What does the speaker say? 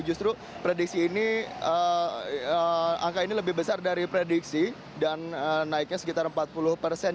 justru prediksi ini angka ini lebih besar dari prediksi dan naiknya sekitar empat puluh persen